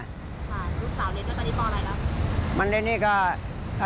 ลูกสาวเรียนแล้วตอนนี้ตอนอะไรครับ